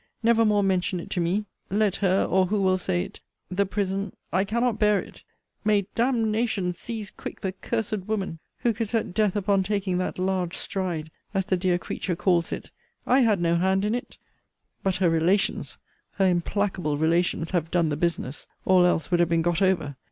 Never more mention it to me, let her, or who will say it, the prison I cannot bear it May d n n seize quick the cursed woman, who could set death upon taking that large stride, as the dear creature calls it! I had no hand in it! But her relations, her implacable relations, have done the business. All else would have been got over.